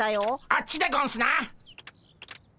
あっちでゴンスな！